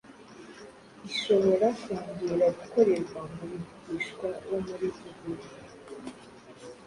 ishobora kongera gukorerwa mu bigishwa bo muri iki gihe.